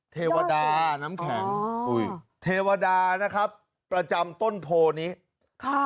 เทวดาน้ำแข็งอุ้ยเทวดานะครับประจำต้นโพนี้ค่ะ